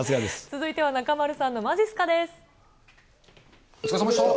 続いては中丸さんのまじっすお疲れさまでした。